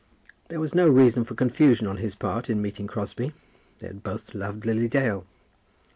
There was no reason for confusion on his part in meeting Crosbie. They had both loved Lily Dale.